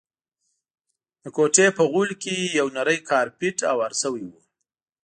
د کوټې په غولي کي یو نری کارپېټ هوار شوی وو.